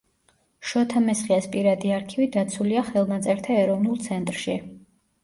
შოთა მესხიას პირადი არქივი დაცულია ხელნაწერთა ეროვნულ ცენტრში.